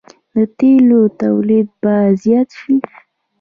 د تیلو تولید به زیات شي.